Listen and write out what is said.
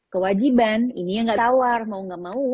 kewajiban ini yang gak tawar mau gak mau